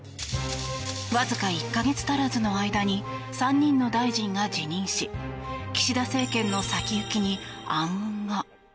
わずか１か月足らずの間に３人の大臣が辞任し岸田政権の先行きに暗雲が。